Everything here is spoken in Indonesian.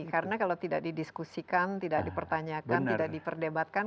karena kalau tidak didiskusikan tidak dipertanyakan tidak diperdebarkan